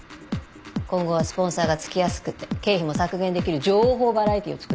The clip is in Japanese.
今後はスポンサーがつきやすくて経費も削減できる情報バラエティーを作っていくって。